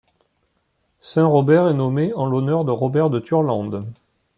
Saint-Robert est nommée en l'honneur de Robert de Turlande.